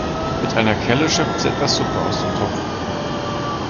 Mit einer Kelle schöpft sie etwas Suppe aus dem Topf.